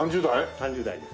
３０代です。